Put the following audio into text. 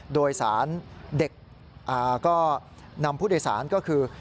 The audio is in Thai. โดยสารเด็กก็นำผู้โดยสารก็คือ